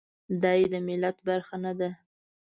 دای د ملت برخه نه ده.